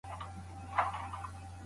ناروغ د عملیات څخه مخکي څه کوي؟